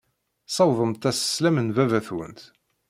Ssiwḍemt-as sslam n baba-twent.